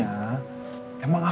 aku mau pergi